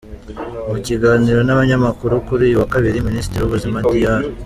Mu kiganiro n’abanyamakuru kuri uyu wa Kabiri, Minisitiri w’Ubuzima, Dr.